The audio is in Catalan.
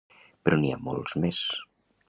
Però n’hi ha molts més.